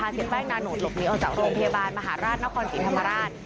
สถานกรุงพยาบาลมหาราชนกรณกี่ธรรมราช